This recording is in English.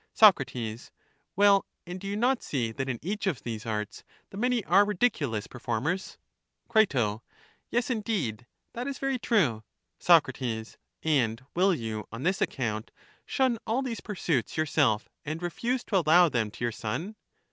Soc, Well, and do you not see that in each of these arts the many are ridiculous performers? Cri, Yes, indeed, that is very true. Soc. And will you on this account shun all these pursuits yourself and refuse to allow them to your son?